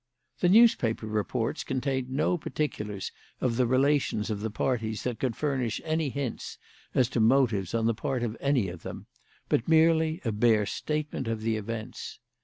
The newspaper reports contained no particulars of the relations of the parties that could furnish any hints as to motives on the part of any of them, but merely a bare statement of the events.